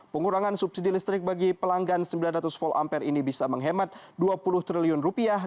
pengurangan subsidi listrik bagi pelanggan sembilan ratus volt ampere ini bisa menghemat dua puluh triliun rupiah